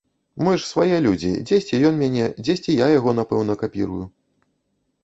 Мы ж свае людзі, дзесьці ён мяне, дзесьці я яго, напэўна, капірую.